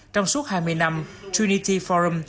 trong suốt hai mươi năm trinity forum